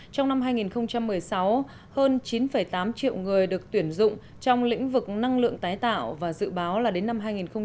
trong năm hai nghìn một mươi sáu hơn chín tám triệu người được tuyển dụng trong lĩnh vực năng lượng tái tạo và dự báo là đến năm hai nghìn hai mươi